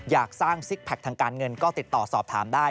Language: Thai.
อยากสร้างซิกแพคทางการเงินก็ติดต่อสอบถามได้